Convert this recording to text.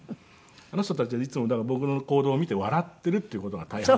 あの人たちはいつもだから僕の行動を見て笑っているっていう事が大半なわけ。